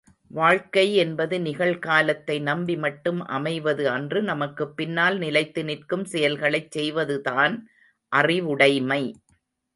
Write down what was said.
வாழ்க்கை என்பது நிகழ் காலத்தை நம்பி மட்டும் அமைவது அன்று நமக்குப்பின்னால் நிலைத்து நிற்கும் செயல்களைச் செய்வதுதான் அறிவுடைமை.